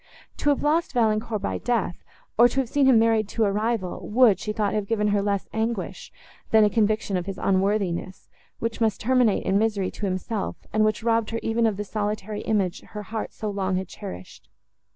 To have lost Valancourt by death, or to have seen him married to a rival, would, she thought, have given her less anguish, than a conviction of his unworthiness, which must terminate in misery to himself, and which robbed her even of the solitary image her heart so long had cherished.